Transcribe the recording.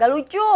gak ada apa apa